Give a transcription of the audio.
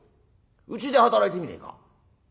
うちで働いてみねえか？」。